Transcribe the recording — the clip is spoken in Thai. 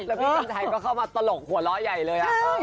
พี่กัญชัยก็เข้ามาตลกหัวเราะใหญ่เลย